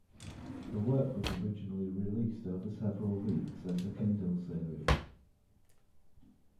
The work was originally released over several weeks as a Kindle Serial.